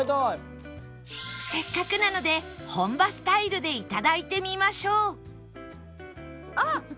せっかくなので本場スタイルでいただいてみましょうあっ！